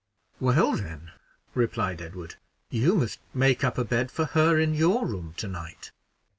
"Well, then," replied Edward, "you must make up a bed for her in your room to night.